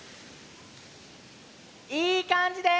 いいかんじです！